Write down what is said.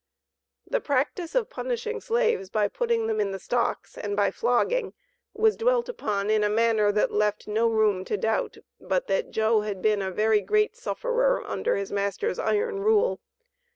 The practice of punishing slaves by putting them in the stocks and by flogging, was dwelt upon in a manner that left no room to doubt but that Joe had been a very great sufferer under his master's iron rule.